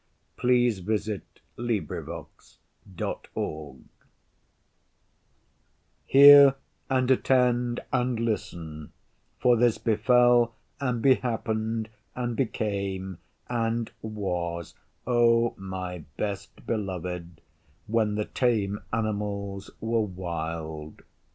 THE CAT THAT WALKED BY HIMSELF HEAR and attend and listen; for this befell and behappened and became and was, O my Best Beloved, when the Tame animals were wild.